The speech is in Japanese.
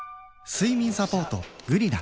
睡眠サポート「グリナ」